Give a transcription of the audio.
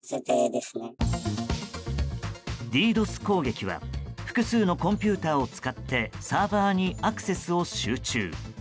ＤＤｏＳ攻撃は、複数のコンピューターを使ってサーバーにアクセスを集中。